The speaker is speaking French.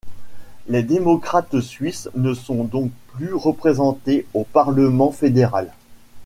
Les Démocrates suisses ne sont donc plus représentés au parlement fédéral.